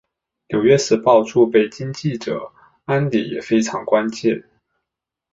纽约时报驻北京记者安迪也非常关切。